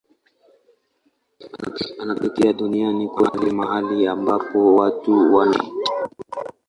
Inatokea duniani kote mahali ambapo watu wanaishi.